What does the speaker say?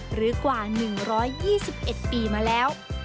หรือกว่า๑๒๑ปีมาแล้ว